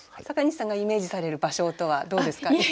阪西さんがイメージされる芭蕉とはどうですか？